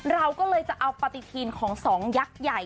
เราก็เลยจะเอาปฏิทินของสองยักษ์ใหญ่